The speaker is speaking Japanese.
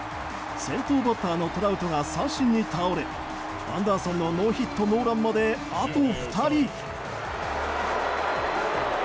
先頭バッターのトラウトが三振に倒れアンダーソンのノーヒットノーランまであと２人。